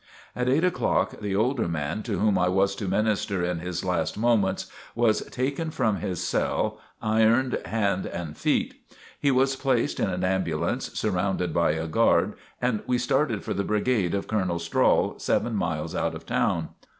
At eight o'clock, the older man, to whom I was to minister in his last moments, was taken from his cell, ironed hand and feet. He was placed in an ambulance, surrounded by a guard, and we started for the brigade of Colonel Strahl, seven miles out of town.